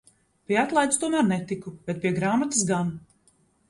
Pie atlaides tomēr netiku, bet pie grāmatas gan.